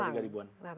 salah tiga ribuan